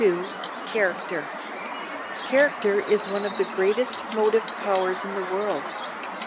] Character is one of the greatest motive powers in the world.